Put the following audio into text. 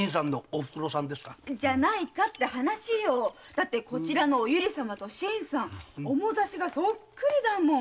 だってお由利様と新さん面差しがそっくりだもん。